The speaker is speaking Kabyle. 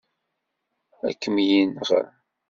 Ad kem-yenɣ.